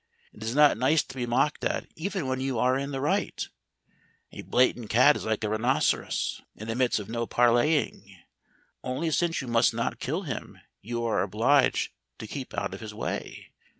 It is not nice to be mocked at even when you are in the right; a blatant cad is like a rhinoceros, and admits of no parleying, only since you must not kill him you are obliged to keep out of his way.